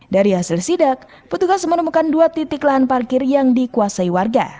dari hasil sidak petugas menemukan dua titik lahan parkir yang dikuasai warga